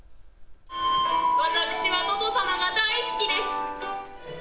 私は、とと様が大好きです。